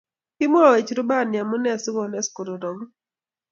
kimwowech rubani omu nee sikones kororoku